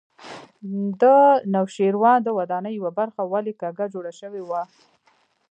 د نوشیروان د ودانۍ یوه برخه ولې کږه جوړه شوې وه.